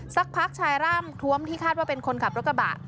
สักพักชายร่ามท้วมที่คาดว่าเป็นคนขับรถกระบะ